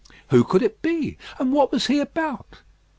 Who could it be? and what was he about?